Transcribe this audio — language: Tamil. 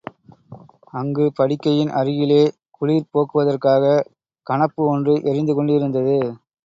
அங்கு படுக்கையின் அருகிலே குளிர் போக்குவதற்காகக் கணப்பு ஒன்று எரிந்து கொண்டிருந்தது.